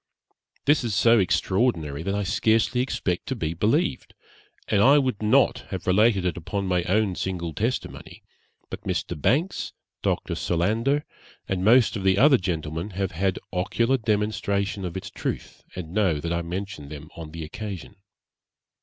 This is so extraordinary that I scarcely expect to be believed; and I would not have related it upon my own single testimony, but Mr. Banks, Dr. Solander, and most of the other gentlemen have had ocular demonstration of its truth, and know that I mention them on the occasion.'